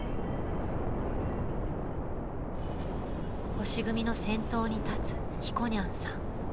［星組の先頭に立つひこにゃんさん］